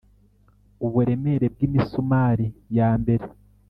Uburemere bw imisumari yambere